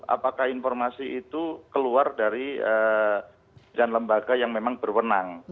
apakah informasi itu keluar dari dan lembaga yang memang berwenang